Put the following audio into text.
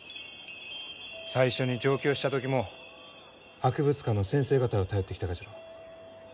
最初に上京した時も博物館の先生方を頼ってきたがじゃろう？